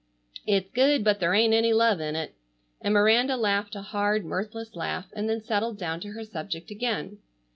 It's good, but there ain't any love in it." And Miranda laughed a hard mirthless laugh, and then settled down to her subject again.